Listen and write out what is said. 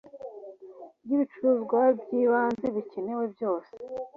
ry ibicuruzwa by ibanze bikenewe byose